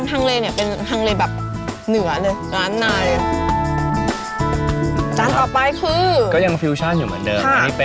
แกงทางเลเนี่ยเป็นทางเลแบบเหนือเลยร้านใน